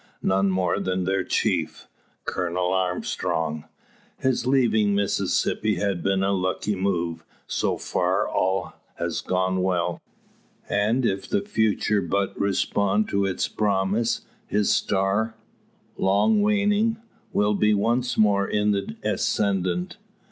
None more than their chief, Colonel Armstrong. His leaving Mississippi has been a lucky move; so far all has gone well; and if the future but respond to its promise, his star, long waning, will be once more in the ascendant.